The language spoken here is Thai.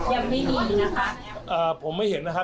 วันนี้มีแอปมาแล้วค่ะที่ก็วอลเล็กซ์นะครับ